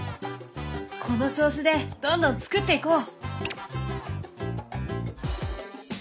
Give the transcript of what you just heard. この調子でどんどん作っていこう！